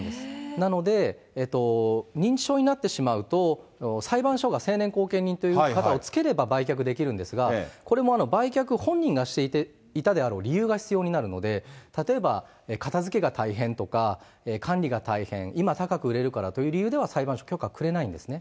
なので、認知症になってしまうと、裁判所が成年後見人という方をつければ売却できるんですが、これも売却、本人がしていたであろう理由が必要になるので、例えば片づけが大変とか、管理が大変、今、高く売れるからという理由では、裁判所、許可くれないんですね。